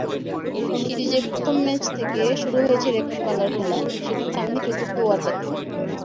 সিরিজের প্রথম ম্যাচ থেকে শুরু হয়েছে রেকর্ড-ভাঙার খেলা, সেটি থামেনি চতুর্থ ওয়ানডেতেও।